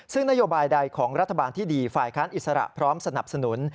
ซึ่งนโยบายใดของรัฐบาลที่ดีฝ่ายค้านอิสระพร้อมสนับสนุน